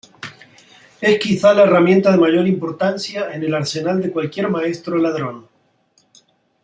Es quizás la herramienta de mayor importancia en el arsenal de cualquier maestro ladrón.